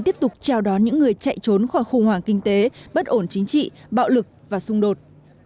tiếp tục chào đón những người chạy trốn khỏi khủng hoảng kinh tế bất ổn chính trị bạo lực và xung đột